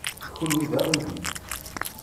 Kenwi d aɣilif.